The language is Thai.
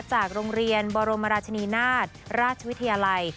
จากโรงเรียนบรมราชนีนาฏราชวิทยาลัย